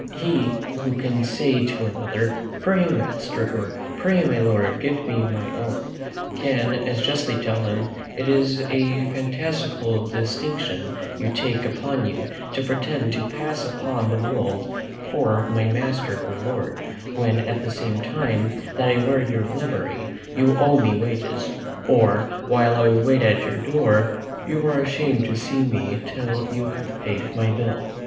He who can say to another, "Pray, master," or "pray, my lord, give me my own," can as justly tell him, "It is a fantastical distinction you take upon you, to pretend to pass upon the world for my master or lord, when, at the same time that I wear your livery, you owe me wages; or, while I wait at your door, you are ashamed to see me till you have paid my bill."